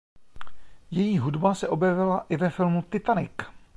Její hudba se objevila i ve filmu "Titanic".